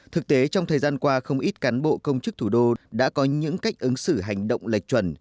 thực tế trong thời gian qua không ít cán bộ công chức thủ đô đã có những cách ứng xử hành động lệch chuẩn